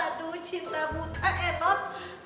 aduh cinta buta eh non